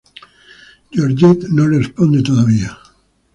Georgette no le responde todavía.